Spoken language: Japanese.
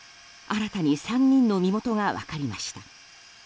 新たに３人の身元が分かりました。